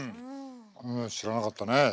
知らなかったねえ。